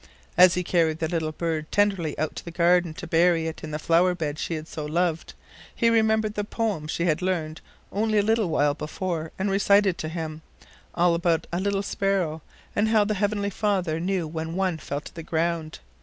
As he carried the little bird tenderly out to the garden to bury it in the flower bed she had so loved, he remembered the poem she had learned only a little while before, and recited to him, all about a little sparrow, and how the Heavenly Father knew when one fell to the ground.